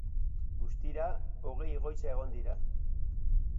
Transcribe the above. Guztira, hogei egoitza egongo dira.